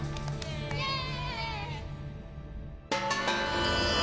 イエーイ！